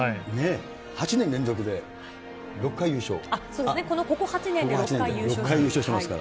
８年連続で、そうですね、ここ８年で６回６回優勝してますから。